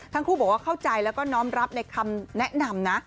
ทั้งคู่บอกว่าเข้าใจแล้วก็น้อมรับในคำแนะนำนะ